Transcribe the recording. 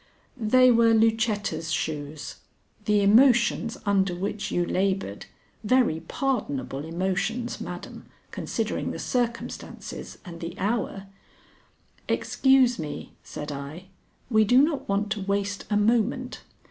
"They were Lucetta's shoes. The emotions under which you labored very pardonable emotions, madam, considering the circumstances and the hour " "Excuse me," said I. "We do not want to waste a moment.